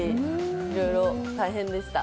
いろいろ大変でした。